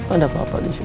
ada apa apa disini